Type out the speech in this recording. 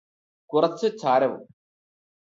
കുറച്ച് ചാരവും